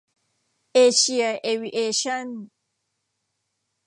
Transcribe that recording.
เอเชีย เอวิเอชั่น